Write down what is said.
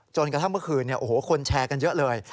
กระทั่งเมื่อคืนคนแชร์กันเยอะเลย